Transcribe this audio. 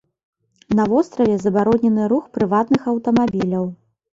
На востраве забаронены рух прыватных аўтамабіляў.